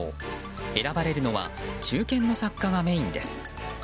選ばれるのは中堅の作家がメインです。